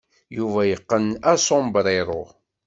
Yuba yeqqen asombrero.